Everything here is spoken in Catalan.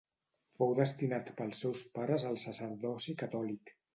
Fou destinat pels seus pares al sacerdoci catòlic.